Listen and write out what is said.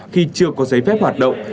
khi chưa có giấy phép hoạt động